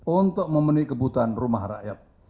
untuk memenuhi kebutuhan rumah rakyat